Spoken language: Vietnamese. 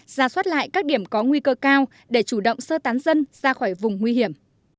ra soát lại các điểm có nguy cơ cao để chủ động sơ tán dân ra khỏi vùng nguy hiểm